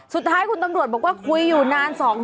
สุดท้ายคุณตำรวจบอกว่าคุยอยู่นาน๒วัน